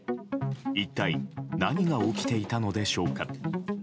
一体何が起きていたのでしょうか。